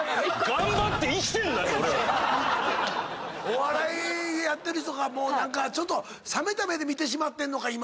お笑いやってる人がもう何かちょっと冷めた目で見てしまってんのか今。